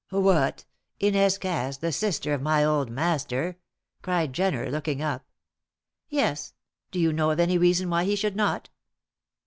"What Inez Cass the sister of my old master?" cried Jenner, looking up. "Yes. Do you know of any reason why he should not?"